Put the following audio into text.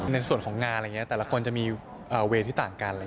ในส่วนของงานอะไรอย่างนี้แต่ละคนจะมีเวรที่ต่างกัน